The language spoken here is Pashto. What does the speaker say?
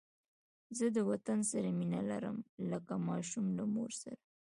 زه د وطن سره مینه لرم لکه ماشوم له مور سره